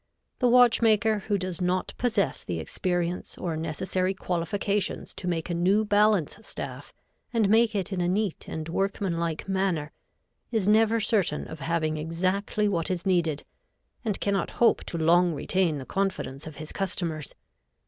The watchmaker who does not possess the experience or necessary qualifications to make a new balance staff and make it in a neat and workmanlike manner, is never certain of having exactly what is needed, and cannot hope to long retain the confidence of his customers.